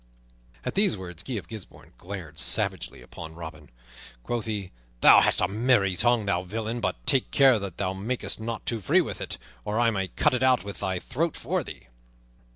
At these words Guy of Gisbourne glared savagely upon Robin. Quoth he, "Thou hast a merry tongue, thou villain; but take care that thou makest not too free with it, or I may cut it out from thy throat for thee."